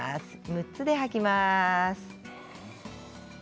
６つで吐きます。